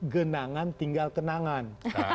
genangan tinggal kenangan